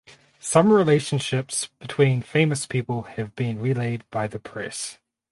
Some relationships between famous people have been relayed by the press.